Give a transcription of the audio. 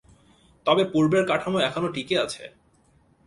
তবে পূর্বের কাঠামো এখনও টিকে আছে।